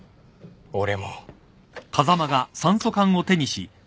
俺も。